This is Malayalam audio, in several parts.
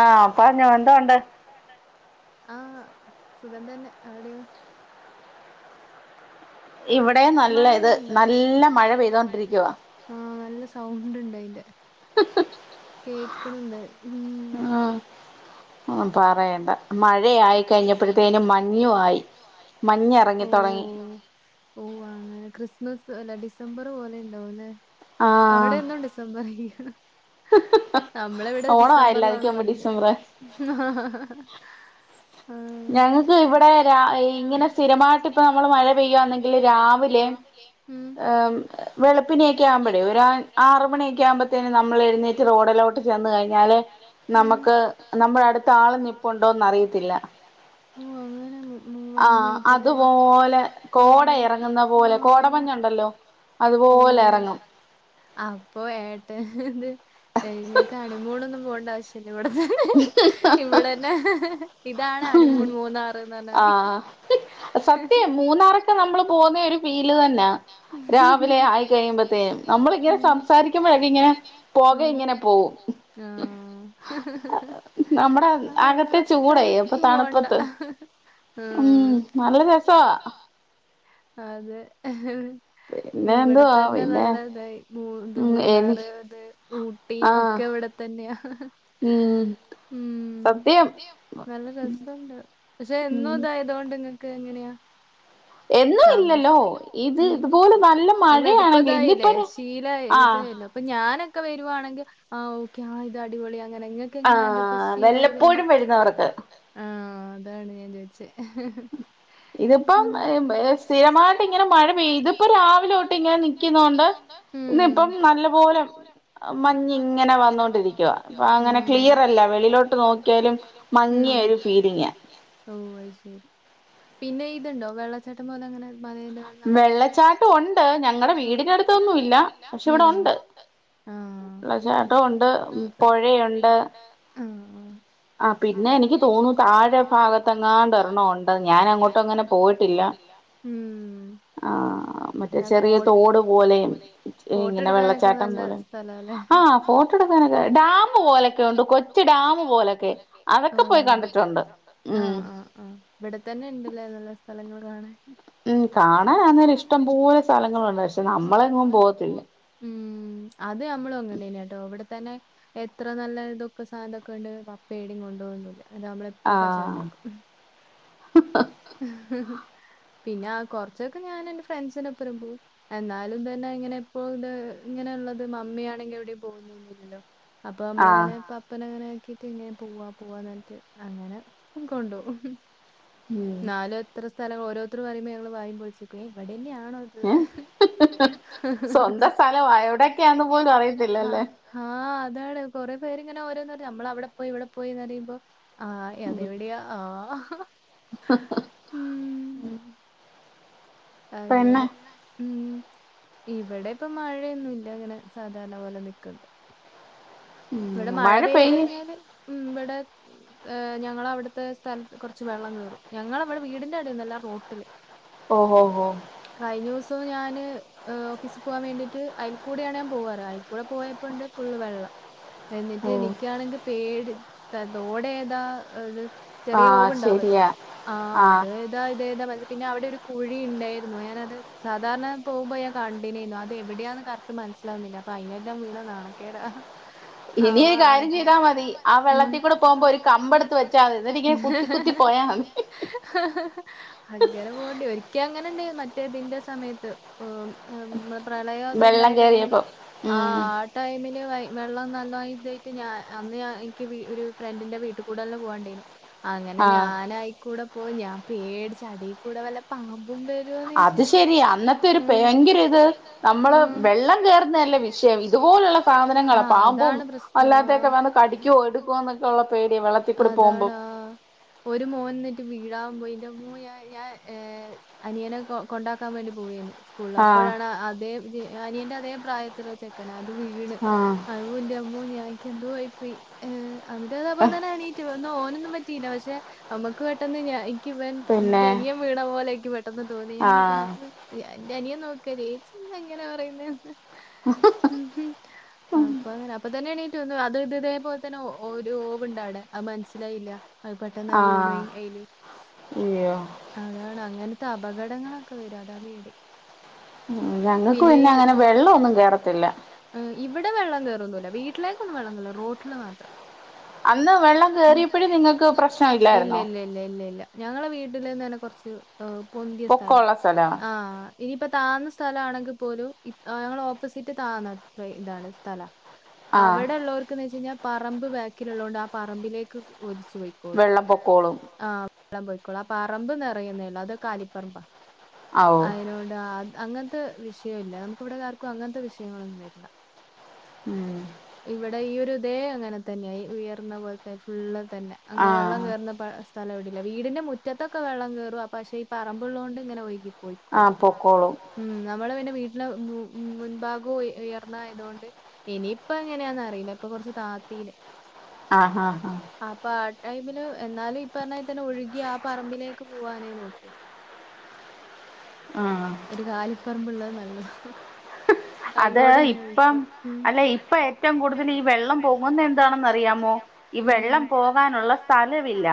ആ പറഞ്ഞോ എന്തോണ്ട് ആ സുഖം തന്നെ അവിടെയോ മഴ പെയ്യല്ല നല്ല മഴെയ്ത ആ നല്ല സൗണ്ട് ണ്ട് ൽണ്ടായ്ൻ്റെ കേക്കണ്ണ്ട് ആ ഓ ഓ അങ്ങ് ല്ല ഡിസംബറ് പോലെ ണ്ടാവുംലേ അവിടെന്നും ഡിസംബറില്ല നമ്മളിവിടെ ഡിസംബറിലാണ് മഞ്ഞ് ആ ഞങ്ങൾക്ക് ഇവിടെ ഇങ്ങനെ സ്ഥിരമായിട്ട് ഇപ്പ നമ്മൾ മഴ പെയ്യുകന്നെങ്കിൽ രാവിലെ ഏ വെളുപ്പിനെയൊക്കെ ആവുമ്പോഴേ ഒരു ആറു മണിയൊക്കെ ആകുമ്പോത്തേന് നമ്മൾ എഴുന്നേറ്റ് റോഡിലോട്ട് ചെന്ന് കഴിഞ്ഞാല് നമുക്ക് നമ്മുടെ അടുത്ത ആള നിപ്പുണ്ടോന്ന് അറിയത്തില്ല ആ അതുപോലെ കോട ഇറങ്ങുന്ന പോലെ കോടമഞ്ഞുണ്ടല്ലോ അതുപോലെ ഇറങ്ങും അപ്പൊ ഏട്ട ഇത് ഇങ്ങക്ക് ഹണി മൂൺ ഒന്നും പോണ്ടവശ്യം ഇതാണ് ഹണിമൂൺ മൂന്നാറ്ന്ന് പറഞ്ഞാൽ മതി അകത്തെ ചൂടെ തണുപ്പത്ത് ഉം നല്ല രസവാ അതെ ഇവിടെ തന്നെ നല്ല ഇതായി മൂ ഇത് മൂന്നാറ് ഇത് ഊട്ടി ഒക്കെ ഇവിടെ തന്നെയ ഉം നല്ല രസുണ്ട് പക്ഷെ എന്നും ഇതായതൊണ്ട് നിങ്ങക്ക് എങ്ങനെയാ നല്ല ഇതിപ്പ ഇതായില്ലേ ശീല ഇതായില്ല അപ്പൊ ഞാന ക്കെ വരുവാണെങ്കിൽ ആ ഓക്കെ ആ ഇത് അടിപൊളിയാ അങ്ങനെ ഇങ്ങക്ക് എങ്ങനെ ഇപ്പ ഫീലായതോണ്ട് ആ അതാണ് ഞാൻ ചോദിച്ച ഇതിപ്പം സ്ഥിരമായിട്ട് ഇങ്ങനെ മഴ പെയ്ത് ഇതിപ്പോ രാവിലെ തൊട്ട് ഇങ്ങനെ നിക്കുന്ന കൊണ്ട് ഇന്നിപ്പം നല്ല പോലെ മഞ്ഞ് ഇങ്ങനെ വന്നോണ്ടിരിക്കുകവ അപ്പ അങ്ങനെ ക്ലിയറല്ല വെളി മ് ഓ അയ്ശരി പിന്നെ ഇതുണ്ടോ വെള്ളച്ചാട്ടം പോലെ അങ്ങനെ [unintelligible] വെള്ളച്ചാട്ടം ഉണ്ട് ആ ഞങ്ങളടെ വീടിനടുത്തൊന്നുംല്ല ഉം പക്ഷെ ഇവിടെണ്ട് ആ വെള്ളച്ചാട്ടം ഉണ്ട് പുഴയുണ്ട് ആ പിന്നെ എനിക്ക് തോന്നുന്നു താഴെ ഭാഗത്തെ എങ്ങാണ്ട് ഒരെണ്ണം ഉണ്ടെന്നു ഞാൻ അങ്ങോട്ടും അങ്ങനെ പോയിട്ടില്ല ഉം ആ മറ്റേ ചെറിയ തോട് പോലെയും ഇങ്ങനെ വെള്ളച്ചാട്ടം പോലെ ആ ഫോട്ടോ എടുക്കാനൊക്കെ ഡാമ് പോലൊക്കെ ഉണ്ട് കൊച്ച് ടാം പോലൊക്കെ അതൊക്കെ പോയി കണ്ടിട്ടുണ്ട് മ് സ്ഥലങ്ങൾ കാണൻ കാണാൻ അന്നേരം ഇഷ്ടംപലെ സ്ഥലങ്ങളുണ്ട് പക്ഷെ നമ്മളെങ്ങും പോകത്തില്ല. മ് മ് അത് നമ്മള അങ്ങനെയാട്ടോ ഇവിടെ തന്നെ എത്ര നല്ല ഇതൊ [unintelligible] കൊണ്ട് പപ്പ യെടെയും കൊണ്ടോകൊന്നില്ല [unintelligible] നമ്മള എപ്പളും കച്ചറ ഇണ്ടാക്കും പിന്നെ കൊറച്ചൊക്കെ ഞാൻ എന്റെ ഫ്രണ്ട്സിനപ്പരം പോകും എന്നാലും തന്നെ ഇങ്ങനെ ഇപ്പോ ഇത് ഇങ്ങനെള്ളത് മമ്മിയാണെങ്കിൽ എവിടെയും പോകുന്നോന്നുംല്ലല്ലോ അപ്പൊ നമ്മളിങ്ങനെ പ അങ്ങനെ ആക്കിട്ട് ഇങ്ങനെ പോവാ പോവാന്നിട്ട് അങ്ങനെ കൊണ്ടോകും ന്നാലും എത്ര സ്ഥല ഓരോ [unintelligible] പറയുമ്പോ ഞങ്ങൾ വായും പൊൾച്ചികെ ഇവിടെ [unintelligible] അ ആ അതാണ് കുറേപേര് ഇങ്ങനെ ഓരോന്ന് നമ്മവിടെപോയി അവിടെ പോയീന്ന് പറയുമ്പം ആഹ് അതെവിടെയാ ആഹ് അങ്ങനെ. ഉമ് ഇവിടെ ഇപ്പൊ മഴയൊന്നുല്ല. ഇങ്ങനെ സാധാരണ പോലെ നിക്ക്ണ്ട്. ഇവിടെ മഴ പെയ്ത് കഴിഞ്ഞാല്, ഉമ് ഇവിടെ ഏഹ് ഞങ്ങളവിട്ത്തെ സ്ഥലത്ത് കൊറച്ച് വെള്ളം കേറും. ഞങ്ങളവിടെ വീടിന്റെ അവ്ടൊന്നല്ല റോട്ടില് ഓ കഴിഞ്ഞൂസ് [unintelligible] ഞാൻ ഓഫീസിൽ പോകാൻവേണ്ടിയിട്ട് അതിൽ കൂടെയാണ് ഞാൻ പോകാറ് അതിക്കൂടെ പോയപ്പോ ഉണ്ട് ഫുൾ വെള്ളം എന്നിട്ട് എനിക്കാണെങ്കിൽ പേടി തോടെതാ [unintelligible] ചെറിയ ഓവ് ഉണ്ടാവല്ലോ ആഹ അതെതാ ഇതെതാ പിന്നെ അവിടെ ഒരു കുഴി ഉണ്ടായിരുന്നു ഞാൻ അത് സാധാരണ പോകുമ്പോ ഞാൻ കണ്ടിന്നിരുന്നു അത് എവിടെയാണ് കറക്റ്റ് മനസ്സിലാവുന്നില്ല അപ്പൊ അതിനകത്ത് വീണ നാണക്കേട ഇനി ഒരു കാര്യം ചെയ്താൽ മതി ആ വെള്ളത്തിൽക്കൂടെ പോകുമ്പോ ഒരു കമ്പ് എടുത്ത് വെച്ചാ മതി എന്നിട്ട് ഇങ്ങനെ കുത്തി കുത്തി പോയാ മതി അങ്ങനെ പോകണ്ടി വരും ഒരിക്കൽ അങ്ങനെ ഉണ്ടയിനി മറ്റേതിന്റെ സമയത്ത് പ്രളയം അത് ഉണ്ടായ ടൈമില് ആ ആ ടൈമില് വെള്ളം നല്ല ഇതായിട്ട്ഞാൻ അന്ന് എനിക്ക് ഒരു ഫ്രണ്ടിന്റെ വീട്ടിൽ കൂടെ എല്ലാം തന്നെ പോകാണ്ടേനു അങ്ങനെ ഞാനായിക്കൂടെ അപ്പോ ഞാൻ പേടിച്ച് അടിക്കുടെ വല്ല പാമ്പ [unintelligible] അതാണ് പ്രശ്നം [unintelligible] അതാണോ ഒരു മോന് വീഴാൻ പോയി ഇന്റമ്മോ ഞാൻ ഞാൻ അനിയനെ കൊ കൊണ്ടാക്കാൻ വേണ്ടി പോയിരുന്നു സ്കൂളിൽ അപ്പോഴാണ് അതേ അനിയന്റെ അതെ പ്രായത്തിലുള്ള ചെക്കന വീണ് ന്റമ്മോ ഇനിക്ക് എന്തോ ആയിപ്പോയി അതിന്റെ അപ്പം തന്നെ എണീറ്റ് ഓന് ഒന്നും പറ്റീ പക്ഷെ നമുക്ക് പെട്ടെന്ന് നമ്മുക്ക് ൻ എന്റെ അനിയൻ വീണ പോലെ ഇനിക്ക് പെട്ടെന്ന് തോന്നി ഞാൻ പെട്ടന്ന് അപ്പൊ നോക്കേഇജ്ജയ് എന്താ ഇങ്ങനാ പറയുന്നെ [unintelligible] ആ അപ്പൊ അങ്ങനെ അപ്പൊ തന്നെ എണീറ്റ് തോന്നും അത് ഇതേ പോലെ തന്നെ ഒരു ഓവുണ്ടവിടെ അത് മനസ്സിലായില്ല അത് പെട്ടെന്ന് വീണു പോയി അതിൽ അതാണ് അങ്ങനത്തെ അപകടങ്ങളൊക്കെ വരും അതാ പേടി മ് ഞങ്ങക്ക് പിന്നെ അങ്ങനെ വെള്ളം ഒന്നും കേറത്തില്ല ഇവിടെ വെള്ളം കേറും കേറൂല വീട്ടിലേക്കൊന്നും വെള്ളമില്ല റോഡിൽ മാത്രം അന്ന് വെള്ളംകേറിയപ്പോയോ നിങ്ങക്ക് പ്രശ്നം ഇല്ലെ ഇല്ല ഇല്ല ഇല്ല ഞങ്ങളെ വീട്ടില് നിന്ന് തന്നെ കുറച്ച് ഹ് പൊന്തിയ സ്ഥലം ആ ഇനിയിപ്പ താഴ്ന്ന സ്ഥലമാണെങ്കിൽ പോലും അവിടെ ഉള്ളവർക്ക്ന്ന് വെച്ച് കഴിഞ്ഞ പറമ്പ് ബാക്കിലുള്ളതോണ്ട് ആ പറമ്പിലേക്ക് ഒലിച്ചു വെള്ളം പൊക്കോളും വെള്ളം പൊയ്ക്കോളും ആ പറമ്പ് നിറയുന്നേള്ളൂ അത് കാലിപ്പറമ്പാ അയിനോട് ആ അങ്ങന ത്തെ വിഷയം ഇല്ല നമുക്ക് ഇവിടെ ആർക്കും അങ്ങനത്തെ വിഷയങ്ങളൊന്നും വരില്ല ഇവിടെ ഈ ഒരു ദേ അങ്ങനെ തന്നെയായി ഉയർന്ന പോലത്തെ ഫുള്ള് തന്നെ അങ്ങനെ വെള്ളം കയറന്ന സ്ഥലം ഇവിടല്ല വീടിന്റെ മുറ്റത്തൊക്കെ വെള്ളം കയറും പക്ഷെ ഈ പറമ്പുള്ളതുകൊണ്ട് ഇങ്ങനെ ഒഴുകി പൊക്കോളും ആ പൊക്കോളും നമ്മള് പിന്നെ വീടി ല്ല മുൻഭാഗവും ഉയർന്നായതുകൊണ്ട് ഇനിയിപ്പ എങ്ങനെയാന്നറിയില്ല ഇപ്പൊ കൊറച്ച്താത്തീന് അപ്പൊ ആ ടൈമില് എന്നാലും ഇപ്പ പറഞ്ഞാൽ തന്നെ ഒഴുകി ആ പറമ്പിലേക്ക് പോവാനേ നോക്കൂ ഒരു കാലിപ്പറമ്പ്ള്ളത് നല്ലതാ [unintelligible] അത് ഇപ്പം അല്ലെ ഇപ്പൊ ഏറ്റവും കൂടുതൽ ഈ വെള്ളം പൊങ്ങുന്ന എന്താണെന്ന് അറിയാമോ ഈ വെള്ളം പോകാനുള്ള സ്ഥലമില്ല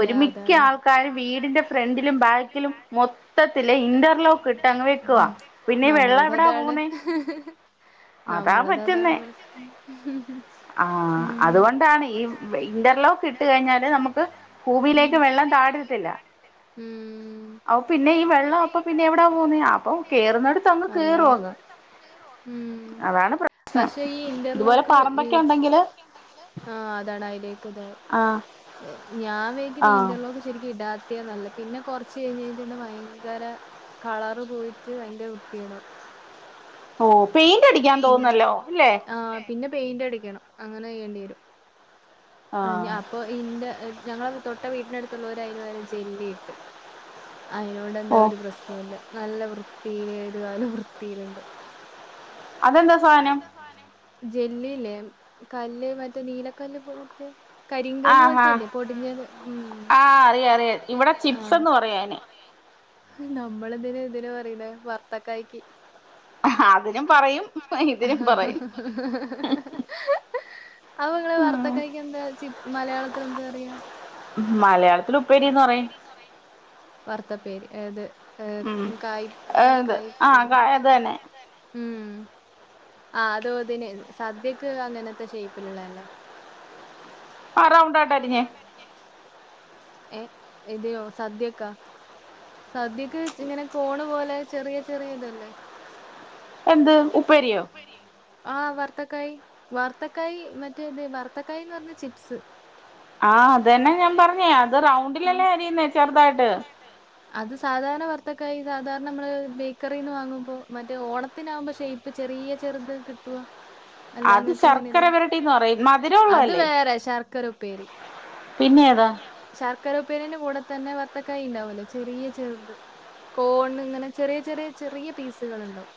ഒരുമിക്ക ആൾക്കാരും വീടിന്റെ ഫ്രണ്ടിലും ബാക്കിലും മൊത്തത്തില് ഇൻ ഇന്റർലോക്ക് ഇട്ട് അങ്ങ് വെക്കുവാ പിന്നെ വെള്ളവിടാപൂന്നേ? നമ്മളതതാണ് ഉം ഉം പിന്നെ എവിടാ പോന്നേ അപ്പൊ കേറുന്നടത്ത് അങ്ങ് കേറും അങ്ങ്. ഉം പക്ഷേ ഈ ഇന്റർലോക്ക് ഈ ആ അതാണ് അയിലേക്ക് ഇതാവും ഞാൻ വിയ്ക്കുന്നെ ഇന്റർലോക്ക് ശരിക്കും ഇടാത്തയാ നല്ലത്. പിന്നെ കൊറച്ച് കഴിഞ്ഞ് കഴിഞ്ഞിട്ടുണ്ടെ ഭയങ്കര കളറ് പോയിട്ട് ഭയങ്കര വൃത്തികെടാവും. ഓ പെയിന്റ് അടിക്കാൻ തോന്നുന്നല്ലോ അല്ലേ? പെയിന്റ് അടിക്കണം അങ്ങനെയ്യേണ്ടി വരും. [unintelligible] അപ്പൊ ഇന്റെ ഞങ്ങള തൊട്ട വീടിന്റെ അടുത്തുള്ളവര് അയിന്പരം ജെല്ലി ഇട്ട്. അയിനോട് എന്താ ഒരു പ്രശ്നോവില്ല നല്ല വൃ വൃത്തിലേ ഏത് കാലം വൃത്തിയിലുണ്ടോ. ജെല്ലിലെ? കല്ല് മറ്റേ നീലക്കല്ല് പ് വെച്ചേ. ആഹാ ആ അറിയാംറിയാം ഇവിടെ ചിപ്സെന്ന് പറയായിന്. നമ്മൾ ഇതിന് ഇതിനാ പറയുന്നെ വ ർത്തക്കായക്ക്. അതിനും പറയും ഹ ഹ ഹാ ഹാ ഹ ഹാ അവങ്ങള് വാർത്തക്കായിക്ക് എന്താ ചിപ് മലയാള [unintelligible] മലയാളത്തിലുപ്പേരിന്ന് പറയും. ഏത്? [unintelligible] ഉം ആ അതോ തിന് സദ്യക്ക് അങ്ങനെത്തെ ഷേപ്പ്ലുള്ളല്ലേ. ആ റൗണ്ടാട്ടരിഞ്ഞേ. ഏ ഇതെയോ സദ്യക്കോ സദ്യക്ക് ഇങ്ങനെ കോണ് പോലെ ചെറിയ ചെറിയതല്ലേ? ആ വർ വർത്തക്കായി വർത്തക്കായി മറ്റേത് വർത്തക്കായി എന്ന് പറഞ്ഞ ചിപ്സ്. ആ അതെന്നെ ഞാൻ പറഞ്ഞേ അത് റൗണ്ടിലല്ലേ അരിയുന്നെ ചെറുതായിട്ട്? അത് സാധാരണ വർത്തക്കായി സാധാരണ നമ്മള് ബേക്കറിന്ന് വാങ്ങുമ്പോ മറ്റേ ഓണത്തിനകുമ്പോ ഷേയ്പ് ചെറിയ ചെറുത് കിട്ടവാ. അല്ല അങ്ങക്ക് അങ്ങനെല്ല അത് വേറെ ശർക്കരപ്പേരി. ശർക്കര ഉപ്പേരി കൂടെ തന്നെ വർത്തക്കായ ഉണ്ടാവല്ലേ ചെറിയ ചെറുത് കോണ് ഇങ്ങനെ ചെറിയ ചെറിയ ചെറിയ പീസുകൾ ഉണ്ടാവും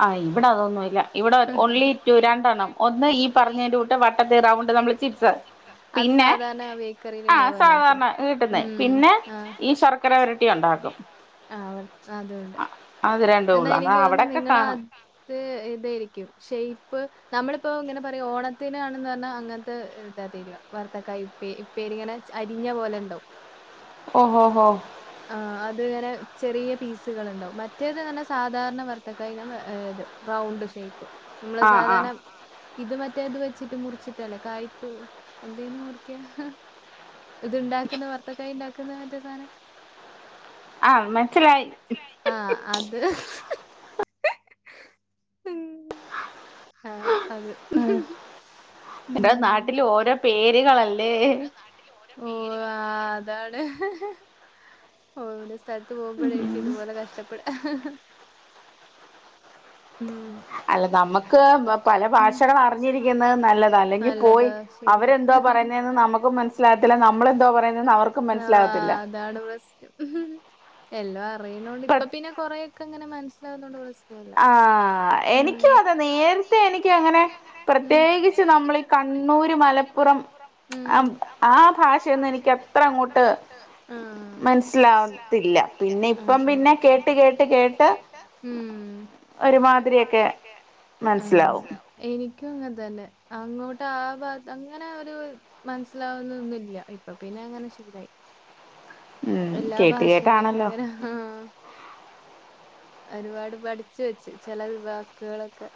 ആഹ് ഇവിടെ അതൊന്നുമല്ല ഇവിടെ ഒണ്ലി ു രണ്ടെണ്ണം ഒന്ന് ഈ പറഞ്ഞതിറെ കൂട്ട് വട്ട തീറാവുണ്ട് നമ്മള് ചിപ്സ് പിന്നെ ബേക്കറിൽണ്ടാവ അങ്ങത്തെ ഉ ആ അവ അതണ്ട് അവിടൊക്കെ നിങ്ങളത് ഇതായിരിക്കും ഷ പ്പ് നമ്മളിപ്പോ ഇങ്ങനെ പറയാ ഓണത്തിനാണന്ന് പറഞ്ഞാ അങ്ങനത്തെ ഇതാ തര ഭർത്താക്കായ ഇപ്പ ഇപ്പേരിങ്ങനെ അരിഞ്ഞ പോലെ ഉണ്ടോ ആ അത്ങ്ങനെ ചെറിയ പീസുകൾ ഇണ്ടാവും മറ്റ മറ്റേത് തന്നെ സാധാരണ വർുത്തക്കായിഞാ ഇത് റൗണ്ട് ഷേപ്പ് നമ്മള് സാധാരണ ഇത് മറ്റേ ഇത് വെച്ചിട്ട് മുറിച്ചിട്ടല്ലേ കായ്ത്തു എന്തേനു മുറിക്ക ഇത്ണ്ടാക്കുന്ന വർത്തക്കായിണ്ട നിക്കുന്ന മറ്റസാനം ആ മനസിലായി അത് ഉ ആ അത് എന്റെോ നാട്ടില് ഓരോ പേരുകളല്ലേ താണ് ഓൽ സ ത്ത് പോകുമ്പോയേക്കും ഇത് പോലെ കഷ് റ്റപ്പെട ഉം അല്ല നമുക്ക് പല ഭാഷകൾ അറിഞ്ഞിരിക്കുന്നത് നല്ലത അല്ലെങ്കിൽ പോയി അവരെന്തോ പറയുന്നതെന്ന് നമുക്കും മനസ്സിലാകത്തില്ല നമ്മളെന്തോ പറയുന്നതെന്ന് അവർക്കും മനസ്സിലാകത്തില്ല എല്ലാ പറയുനോട് കൊണ്ട് ഇപ്പ പിന്നെ കൊറയൊക്കെങ്ങനെ മന ണ്ട് [unintelligible] ആ എനിക്കും അതെ നേരത്തെ എനിക്ക് അങ്ങനെ പ്രത്യേകിച്ച് നമ്മൾീ കണ്ണൂര് മലപ്പുറം ആ ആ ഭാഷന്ന് എനിക്ക് എത്ര അങ്ങോട്ട് മനസി മനസ്സിലാവുന്നില്ല ഇപ്പം പിന്നെ കേട്ട് കേട്ട് കേട്ട് ഒരുമാതിരിൊക്കെ മനസിലാവും ഇങ്ങനെ തന്നെ അങ്ങോട്ട് ആ ഭാ അങ്ങനെ ഒരു മനസ്സിലാവുന്നൊന്നുംല്ല ഇപ്പൊ പിന്നെ അങ്ങനെ ശീരായി എല്ലാ ഭാഷകും അങ്ങനെ ആഹ ഒരുപാട് പഠിച്ച വെച്ചു ചില വാക്കുകളൊക്കെ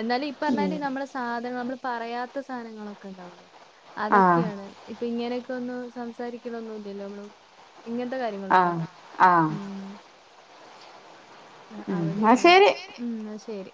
എന്നാലും ഇപ്പ പറഞ്ഞാല് നമ്മള് സാധനം നമ്മള് പറയാ ത്ത് സാധനങ്ങളൊക്കെ ഉണ്ടകൊല്ലോ അതൊക്കെയാണ് ഇപ്പൊ ഇങ്ങനെയൊക്കോന്ന് സംസാരിക്കണൊന്നുംല്ലല്ലോ നമ്മളെ ഇങ്ങനത്തെ കാര്യങ്ങളൊന്നു ആ ആ ആ അവിടെയണത് ആ ശരി ന്നാ ശരി